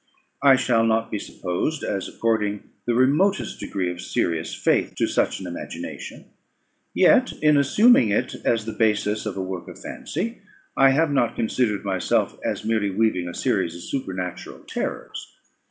I shall not be supposed as according the remotest degree of serious faith to such an imagination; yet, in assuming it as the basis of a work of fancy, I have not considered myself as merely weaving a series of supernatural terrors.